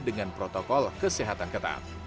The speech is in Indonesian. dengan protokol kesehatan ketaat